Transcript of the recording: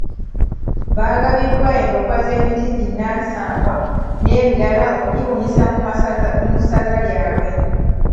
Bagabiddwa endokwa z’emiti ginnansangwa n’ebibala okugibunyisa mu ssaza lyabwe.